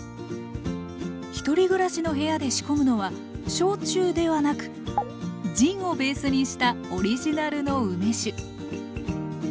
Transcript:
１人暮らしの部屋で仕込むのは焼酎ではなくジンをベースにしたオリジナルの梅酒。